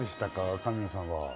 神野さんは。